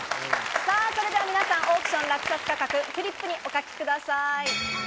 それでは皆さん、オークション落札価格、フリップにお書きください。